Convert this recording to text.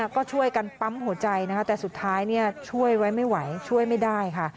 ก็ช่วยกันปั๊มหัวใจนะคะแต่สุดท้ายช่วยไว้ไม่ไหวช่วยไม่ได้ค่ะ